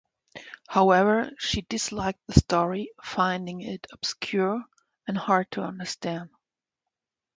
However, she disliked the story, finding it obscure and hard to understand.